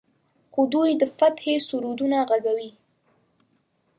خو دوی د فتحې سرودونه غږوي.